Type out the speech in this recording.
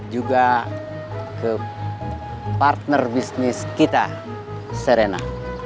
juga ke partner bisnis kita serena